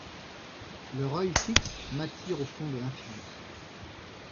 Leur oeil fixe m'attire au fond de l'infini.